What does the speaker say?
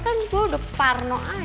kan gue udah parno aja